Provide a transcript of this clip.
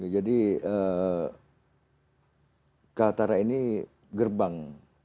jadi kaltara ini gerbang